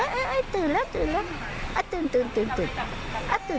ลองไปดูบรรยากาศช่วงนั้นนะคะ